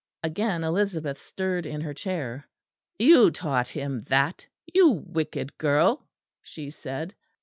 Again Elizabeth stirred in her chair. "You taught him that, you wicked girl," she said.